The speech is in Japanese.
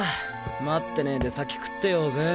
待ってねぇで先食ってようぜ。